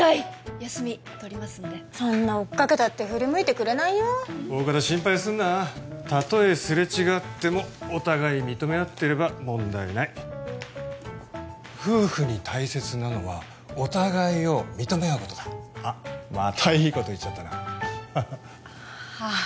休み取りますんでそんな追っかけたって振り向いてくれないよ大加戸心配すんなたとえすれ違ってもお互い認め合ってれば問題ない夫婦に大切なのはお互いを認め合うことだあっまたいいこと言っちゃったなはあ